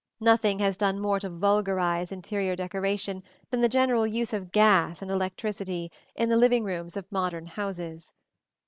Nothing has done more to vulgarize interior decoration than the general use of gas and of electricity in the living rooms of modern houses.